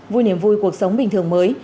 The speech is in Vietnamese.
vui niềm vui cuộc sống bình thường mới